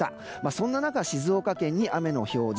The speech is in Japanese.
そんな中、静岡県に雨の表示。